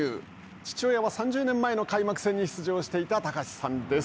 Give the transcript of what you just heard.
父親は３０年前の開幕戦に出場していた貴史さんです。